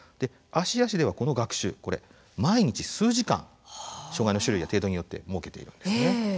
芦屋市では、この学習毎日、数時間障害の種類や程度によって設けているんですね。